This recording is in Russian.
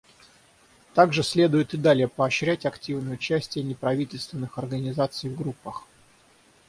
Также следует и далее поощрять активное участие неправительственных организаций в группах.